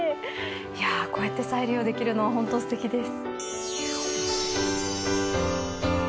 いやこうやって再利用できるのホントすてきです。